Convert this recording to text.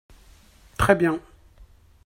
Très bien